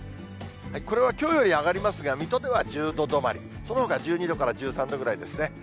これはきょうより上がりますが、水戸では１０度止まり、そのほか、１２度から１３度ぐらいですね。